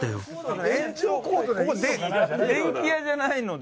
電気屋じゃないので。